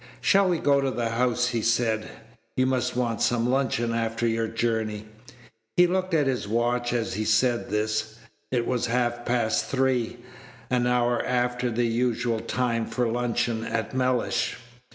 "Shall we go to the house?" he said. "You must want some luncheon after your journey." He looked at his watch as he said this. It was half past three, an hour after the usual time for luncheon at Mellish.